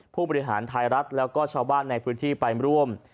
ผู้บริหารไทยรัฐแล้วก็ชาวบ้านในพื้นที่ไปร่วม